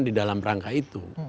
di dalam rangka itu